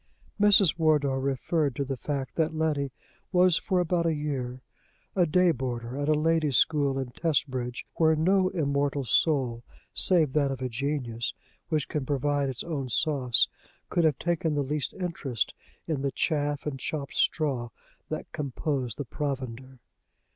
Mrs. Wardour referred to the fact that Letty was for about a year a day boarder at a ladies' school in Testbridge, where no immortal soul, save that of a genius, which can provide its own sauce, could have taken the least interest in the chaff and chopped straw that composed the provender.